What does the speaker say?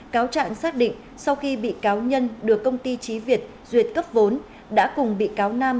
cáo trạng xác định sau khi bị cáo nhân được công ty trí việt duyệt cấp vốn đã cùng bị cáo nam